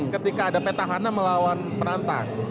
ketika ada petahana melawan perantang